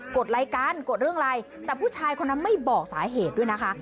ดรายการกดเรื่องอะไรแต่ผู้ชายคนนั้นไม่บอกสาเหตุด้วยนะคะ